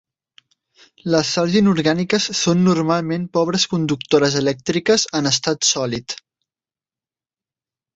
Les sals inorgàniques són normalment pobres conductores elèctriques en estat sòlid.